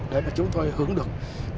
để mà chúng tôi hưởng được